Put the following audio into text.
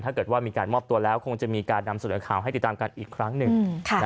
ถ้าเกิดว่ามีการมอบตัวแล้วคงจะมีการนำเสนอข่าวให้ติดตามกันอีกครั้งหนึ่ง